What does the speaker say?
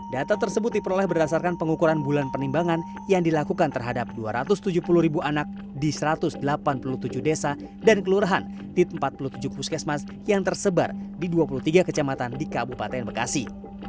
data tersebut diperoleh berdasarkan pengukuran bulan penimbangan yang dilakukan terhadap dua ratus tujuh puluh ribu anak di satu ratus delapan puluh tujuh desa dan kelurahan di empat puluh tujuh puskesmas yang tersebar di dua puluh tiga kecamatan di kabupaten bekasi